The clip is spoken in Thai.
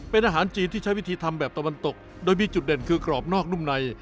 เป็นอาหารจีนที่ใช้วิธีทำแบบตะวันตกโดยมีจุดเด่นคือกรอบนอกนุ่มใน